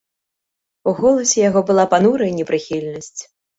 У голасе яго была панурая непрыхільнасць.